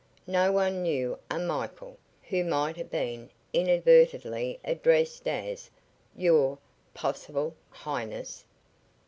No one knew a Michael, who might have been inadvertently addressed as "your" possible "Highness."